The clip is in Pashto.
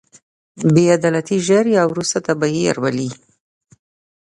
بې عدالتي ژر یا وروسته تباهي راولي.